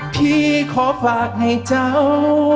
พี่ขอฝากให้เจ้า